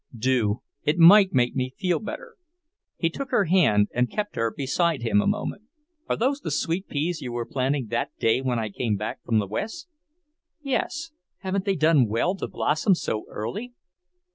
"Do. It might make me feel better." He took her hand and kept her beside him a moment. "Are those the sweet peas you were planting that day when I came back from the West?" "Yes. Haven't they done well to blossom so early?"